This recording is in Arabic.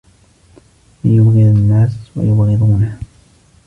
مَنْ يُبْغِضُ النَّاسَ وَيُبْغِضُونَهُ